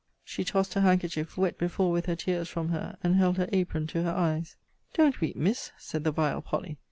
She tossed her handkerchief, wet before with her tears, from her, and held her apron to her eyes. Don't weep, Miss! said the vile Polly.